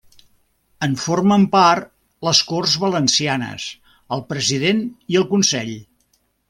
En formen part les Corts Valencianes, el President i el Consell.